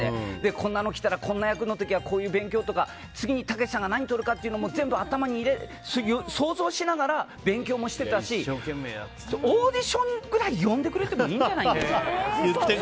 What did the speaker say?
こんなの来たらこんな役の時はこんな勉強とか次はたけしさんが何撮るかとか全部、頭に入れて想像しながら勉強もしてたしオーディションがくらい呼んでくれてもいいんじゃないですかって。